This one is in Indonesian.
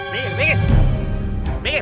minggir minggir minggir